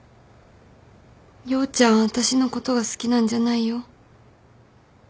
陽ちゃんは私のことが好きなんじゃないよ。